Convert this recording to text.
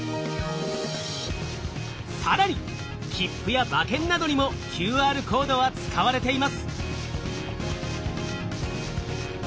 更に切符や馬券などにもＱＲコードは使われています。